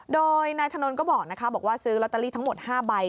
โดยนายถนนก็บอกนะคะบอกว่าซื้อลอตเตอรี่ทั้งหมด๕ใบ